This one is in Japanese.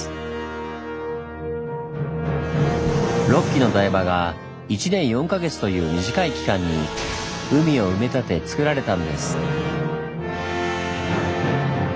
６基の台場が１年４か月という短い期間に海を埋め立てつくられたんです。